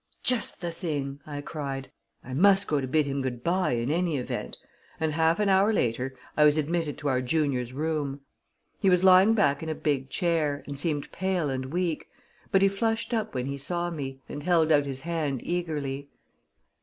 "Just the thing!" I cried. "I must go to bid him good by, in any event," and half an hour later I was admitted to our junior's room. He was lying back in a big chair, and seemed pale and weak, but he flushed up when he saw me, and held out his hand eagerly.